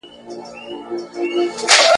ته لکه غنچه زه به شبنم غيږي ته درسمه !.